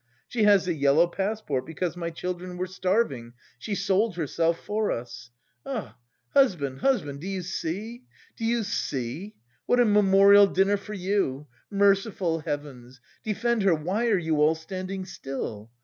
She has the yellow passport because my children were starving, she sold herself for us! Ah, husband, husband! Do you see? Do you see? What a memorial dinner for you! Merciful heavens! Defend her, why are you all standing still?